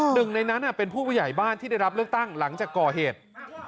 หนึ่งในนั้นเป็นผู้ใหญ่บ้านที่ได้รับเลือกตั้งหลังจากก่อเหตุ